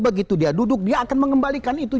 begitu dia duduk dia akan mengembalikan itu